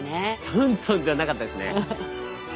トントンじゃなかったですね。